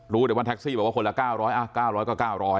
รู้แต่ว่าแท็กซี่บอกว่าคนละ๙๐๐๙๐๐ก็๙๐๐